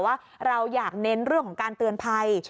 ว่าเราอยากเน้นเรื่องของการเตือนภัย